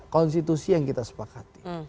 konstitusi yang kita sepakati